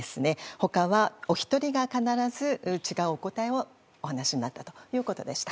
他は、お一人が必ず違うお答えをお話になったということでした。